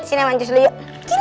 sini manjus lu yuk